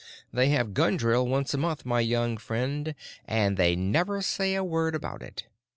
"They have gun drill once a month, my young friend, and they never say a word about it.